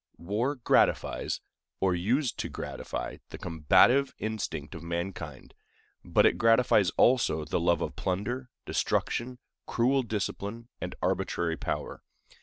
War gratifies, or used to gratify, the combative instinct of mankind, but it gratifies also the love of plunder, destruction, cruel discipline, and arbitrary power.